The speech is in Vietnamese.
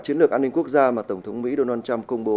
chiến lược an ninh quốc gia mà tổng thống mỹ donald trump công bố